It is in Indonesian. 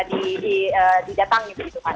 di datang gitu kan